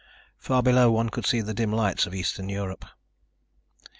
Far below one could see the dim lights of eastern Europe.